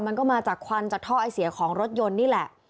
มันก็มาจากควันจากท่อไอเสียของรถยนต์นี่แหละ